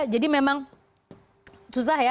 jadi memang susah ya